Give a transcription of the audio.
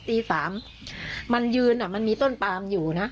ตีสามมันยืนอ่ะมันมีต้นปลามอยู่น่ะ